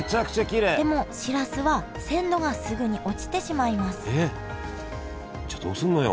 でもしらすは鮮度がすぐに落ちてしまいますえっじゃあどうすんのよ